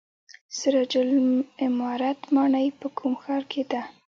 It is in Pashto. سراج العمارت ماڼۍ په کوم ښار کې ده؟